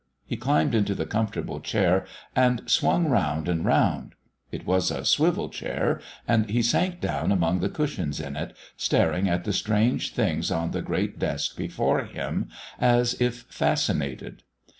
He climbed into the comfortable chair and swung round and round. It was a swivel chair, and he sank down among the cushions in it, staring at the strange things on the great desk before him, as if fascinated.